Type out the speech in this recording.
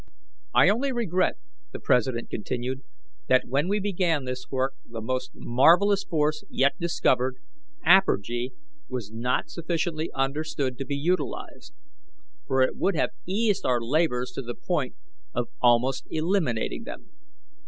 ] "I only regret," the president continued, "that when we began this work the most marvellous force yet discovered apergy was not sufficiently understood to be utilized, for it would have eased our labours to the point of almost eliminating them.